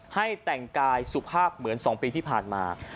ให้แต่งกายสุภาพเหมือน๒ปีที่ผ่านมา